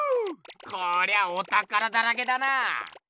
こりゃあおたからだらけだな。